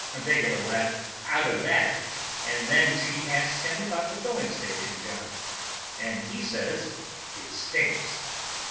They get a laugh out of that, and then she asks him about the filling station job, and he says it stinks.